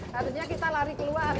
harusnya kita lari keluar